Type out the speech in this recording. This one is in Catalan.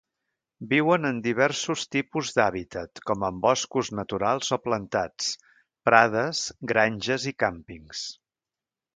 Viuen en diversos tipus d'hàbitat, com en boscos naturals o plantats, prades, granges i càmpings.